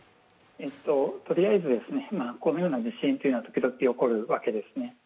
とりあえず今、このような地震は時々起こるわけですね。